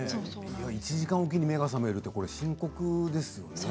１時間置きに目が覚めるのは深刻ですよね。